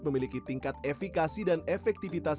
memiliki tingkat efikasi dan efektivitas